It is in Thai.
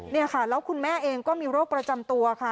นี่ค่ะแล้วคุณแม่เองก็มีโรคประจำตัวค่ะ